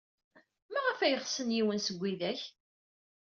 Maɣef ay ɣsen yiwen seg widak?